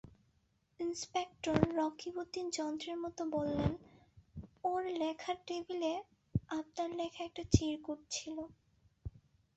Inspector Rakibuddin যন্ত্রের মতো বললেন, ওঁর লেখার টেবিলে আপনার লেখা একটা চিরকুট ছিল।